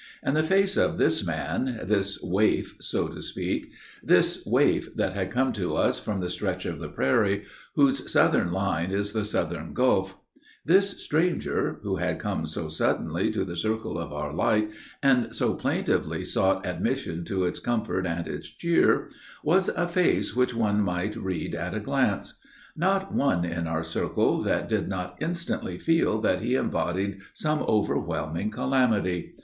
And the face of this man, this waif, so to speak, this waif that had come to us from the stretch of the prairie, whose southern line is the southern gulf; this stranger, who had come so suddenly to the circle of our light, and so plaintively sought admission to its comfort and its cheer, was a face which one might read at a glance. Not one in our circle that did not instantly feel that he embodied some overwhelming calamity.